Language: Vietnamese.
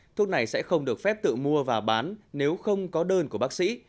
thuốc này sẽ không được phép tự mua và bán nếu không có đơn của bác sĩ